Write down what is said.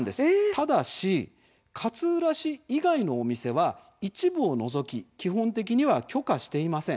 ただし勝浦市以外のお店では一部を除き基本的には許可していません。